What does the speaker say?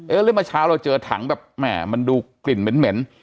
เออแล้วเมื่อเช้าเราเจอถังแบบแหม่มันดูกลิ่นเหม็นเหม็น